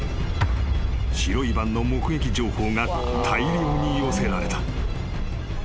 ［白いバンの目撃情報が大量に寄せられた］